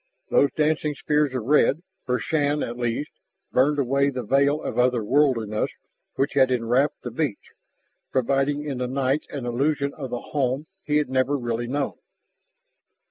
Those dancing spears of red, for Shann at least, burned away that veil of other worldliness which had enwrapped the beach, providing in the night an illusion of the home he had never really known.